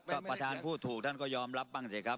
ก็ประธานพูดถูกท่านก็ยอมรับบ้างสิครับ